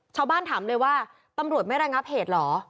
ถามเลยว่าตำรวจไม่ระงับเหตุเหรอ